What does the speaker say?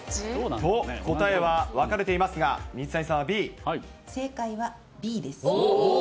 と、答えは分かれていますが、正解はＢです。